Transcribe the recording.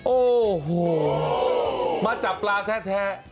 โอ้โหมาจับปลาแท้